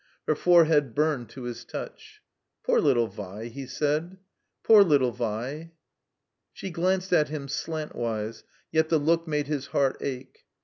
Her fore head burned to his touch. "Poor Uttle Vi," he said. "Poor Kttle Vi." She glanced at him; slantwise, yet the look made his heart ache.